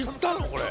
これ！